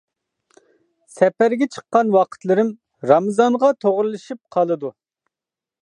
سەپەرگە چىققان ۋاقىتلىرىم رامىزانغا توغرىلىشىپ قالىدۇ.